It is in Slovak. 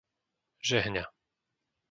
Žehňa